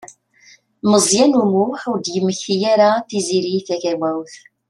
Meẓyan U Muḥ ur d-yemmekti ara Tiziri Tagawawt.